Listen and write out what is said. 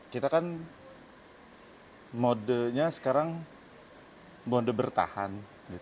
kita kan modenya sekarang mode bertahan